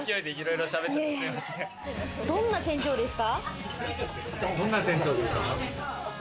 どんな店長ですか？